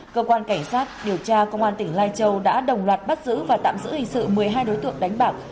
cơ quan cảnh sát điều tra công an tỉnh lai châu đã đồng loạt bắt giữ và tạm giữ hình sự một mươi hai đối tượng đánh bạc